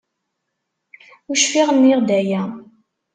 Ur cfiɣ nniɣ-d aya.